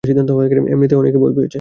এমনিতেই ও অনেক ভয় পেয়েছে!